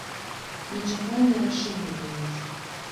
Нечаканае рашэнне для нас.